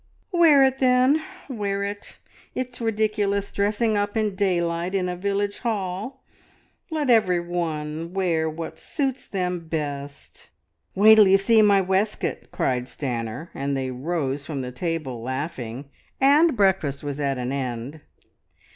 "Wear it, then, wear it. It's ridiculous dressing up in daylight in a village hall. Let every one wear what suits them best." "Wait till you see my waistcoat!" cried Stanor, and they rose from the table laughing, and breakfast was at an end.